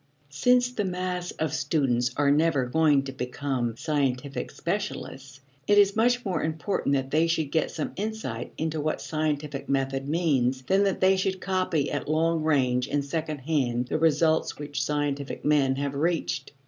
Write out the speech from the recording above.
Since the mass of pupils are never going to become scientific specialists, it is much more important that they should get some insight into what scientific method means than that they should copy at long range and second hand the results which scientific men have reached.